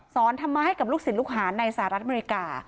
ธรรมะให้กับลูกศิษย์ลูกหาในสหรัฐอเมริกา